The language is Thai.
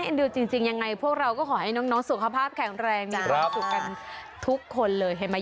น่าเอ็นดูจริงจริงยังไงพวกเราก็ขอให้น้องน้องสุขภาพแข็งแรงจ้ะครับมีความสุขกันทุกคนเลยเห็นไหม